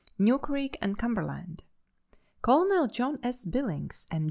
New Creek and Cumberland. Colonel John S. Billings, M.